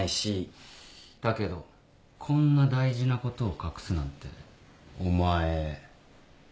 だけどこんな大事なことを隠すなんてお前。